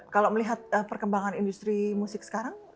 kalau melihat perkembangan industri musik sekarang